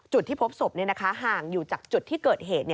จุดที่พบศพห่างอยู่จากจุดที่เกิดเหตุ